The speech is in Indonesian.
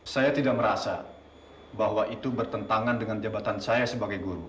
saya tidak merasa bahwa itu bertentangan dengan jabatan saya sebagai guru